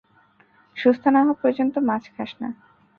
সুস্থ না হওয়া পর্যন্ত মাছ খাস না।